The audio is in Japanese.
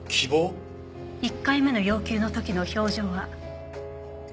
１回目の要求の時の表情は。